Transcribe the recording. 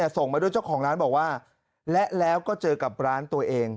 ส่งมาด้วยเจ้าของร้านบอกว่าและแล้วก็เจอกับร้านตัวเอง